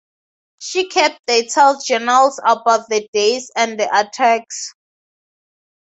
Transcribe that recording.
She kept detailed journals about the days and the attacks.